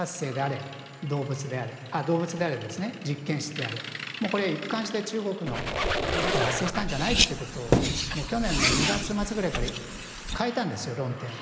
動物であれ実験室であれ、一貫して中国から発生したんじゃないということを去年の２月末ぐらいから変えたんです、論点を。